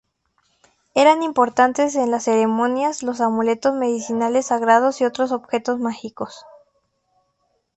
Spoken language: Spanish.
Eran importantes en las ceremonias los amuletos medicinales sagrados y otros objetos mágicos.